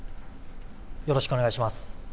よろしくお願いします。